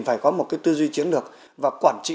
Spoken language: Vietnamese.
phải có một cái tư duy chiến lược và quản trị